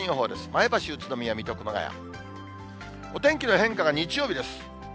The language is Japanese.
前橋、宇都宮、水戸、熊谷、お天気の変化が日曜日です。